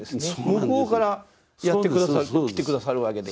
向こうからやって来て下さるわけで。